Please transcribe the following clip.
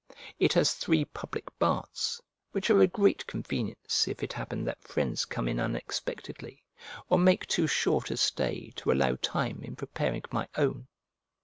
It has three public baths, which are a great convenience if it happen that friends come in unexpectedly, or make too short a stay to allow time in preparing my own.